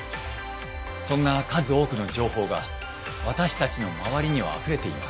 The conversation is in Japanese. そんな数多くの情報が私たちの周りにはあふれています。